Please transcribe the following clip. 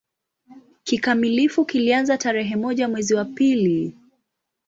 Kikamilifu kilianza tarehe moja mwezi wa pili